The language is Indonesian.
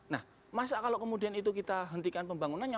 nah masa kalau kemudian itu kita hentikan pembangunannya